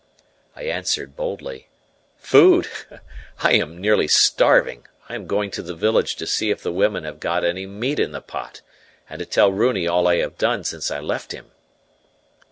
I answered boldly: "Food! I am nearly starving. I am going to the village to see if the women have got any meat in the pot, and to tell Runi all I have done since I left him."